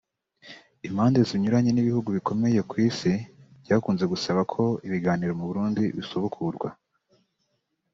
Impande zinyuranye n’ ibihugu bikomeye ku Isi byakunze gusaba ko ibiganiro mu Burundi bisubukurwa